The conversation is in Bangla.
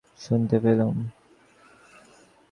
প্রত্যেক কথা উপর থেকে স্পষ্ট শুনতে পেলুম।